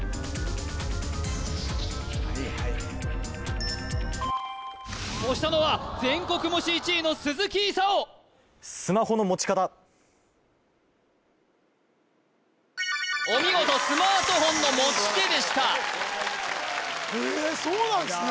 はいはい押したのは全国模試１位の鈴木功夫お見事スマートフォンの持ち手でしたえそうなんですね